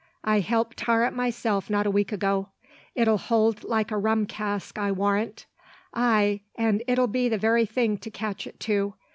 I helped tar it myself not a week ago. It'll hold like a rum cask, I warrant, ay, an' it'll be the very thing to catch it too.